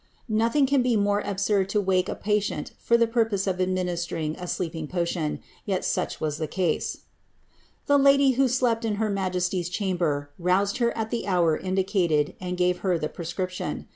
'' Nothing can be more absurd than to wake a patient for the purpose of administering a sleeping potion, yet such was the case ;^^ the lady who dept in her majesty's chamber roused her at the hour indicated, and gave her the prescription.